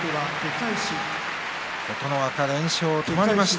琴ノ若、連勝が止まりました。